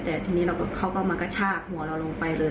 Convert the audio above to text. แต่ทีนี้เขาก็มากระชากหัวเราลงไปเลย